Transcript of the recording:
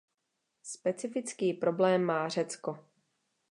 Specifický problém má Řecko.